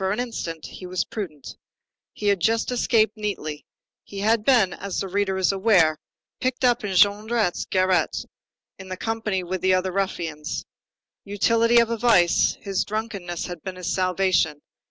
Nevertheless, for an instant, he was prudent. He had just escaped neatly. He had been, as the reader is aware, picked up in Jondrette's garret in company with the other ruffians. Utility of a vice: his drunkenness had been his salvation.